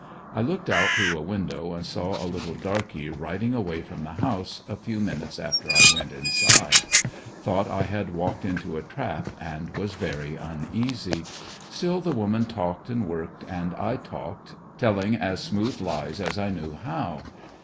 I looked out through a window and saw a little darky riding away from the house, a few minutes after I went inside Thought I had walked into a trap, and was very uneasy. Still the woman talked and worked, and I talked, telling as smoothe lies as I knew how.